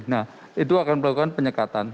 nah itu akan melakukan penyekatan